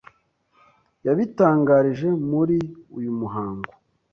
yabitangarije muri uyu muhango